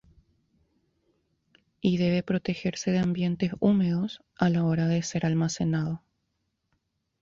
Y debe protegerse de ambientes húmedos a la hora de ser almacenado.